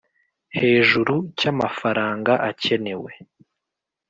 Hejuru cy amafaranga akenewe